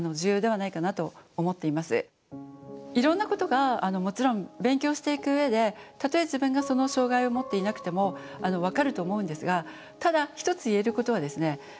いろんなことがもちろん勉強していく上でたとえ自分がその障害をもっていなくても分かると思うんですがただ一つ言えることはですね